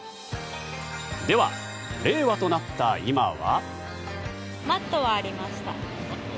では、令和となった今は。